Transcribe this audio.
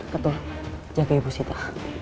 ketua jaga ibu sita